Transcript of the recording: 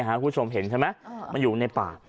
คุณผู้ชมเห็นใช่ไหมมันอยู่ในป่า